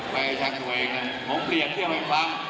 ให้ชั้นตัวเองนะผมเผลี่ยเที่ยวให้ฟัง